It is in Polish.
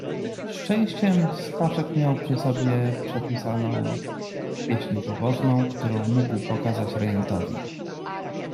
"Szczęściem, Staszek miał przy sobie przepisaną pieśń pobożną, którą mógł pokazać rejentowi."